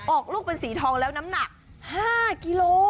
ออกลูกเป็นสีทองแล้วน้ำหนัก๕กิโล